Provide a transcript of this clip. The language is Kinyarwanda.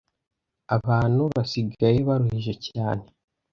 abantu basigaye baruhije cyane